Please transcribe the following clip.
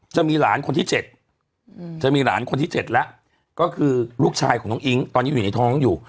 จะมีหลานคนที่๗จะมีหลานคนที่๗แล้วก็คือลูกชายของน้องอิ๊งตอนนี้อยู่ในท้องอยู่